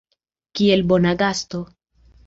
Kiel bona gasto.